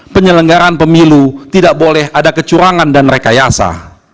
penyelenggaraan pemilu tidak boleh ada kecurangan dan rekayasa